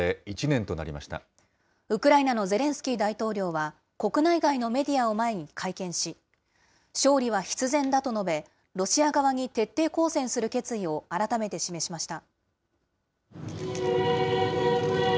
ウクライナのゼレンスキー大統領は、国内外のメディアを前に会見し、勝利は必然だと述べ、ロシア側に徹底抗戦する決意を改めて示しました。